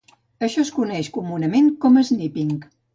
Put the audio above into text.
Això es coneix comunament com a "sniping".